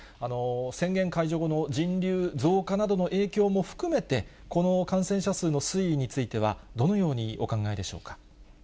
宣言解除後の人流増加などの影響も含めて、この感染者数の推移についてはどのようにお考えでしょうか。